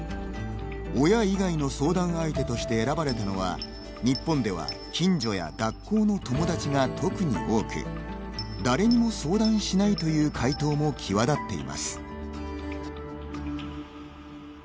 親以外の相談相手として選ばれたのは日本では「近所や学校の友だち」が特に多く「誰にも相談しない」という回答も際立っています。